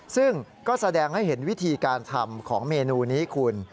ซึ่งก็แสดงให้เห็นวิธีการทำของเมนูนี้คุณ